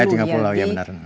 iya tinggal di pulau ya benar